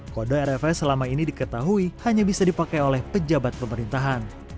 kode rfs selama ini diketahui hanya bisa dipakai oleh pejabat pemerintahan